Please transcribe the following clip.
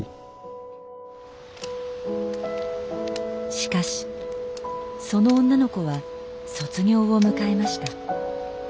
しかしその女の子は卒業を迎えました。